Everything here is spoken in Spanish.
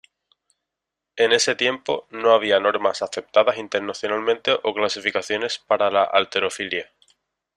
En ese tiempo, no había normas aceptadas internacionalmente o clasificaciones para la halterofilia.